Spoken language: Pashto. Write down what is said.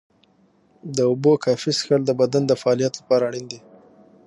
د اوبو کافي څښل د بدن د فعالیت لپاره اړین دي.